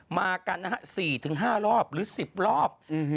มากันนะฮะ๔๕รอบหรือ๑๐รอบ